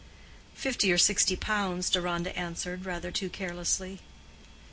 "Fifty or sixty pounds," Deronda answered, rather too carelessly.